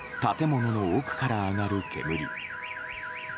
建物の奥から上がる煙。